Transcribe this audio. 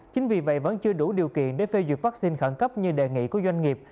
chính vì vậy vẫn chưa đủ điều kiện để phê duyệt vaccine khẩn cấp như đề nghị của doanh nghiệp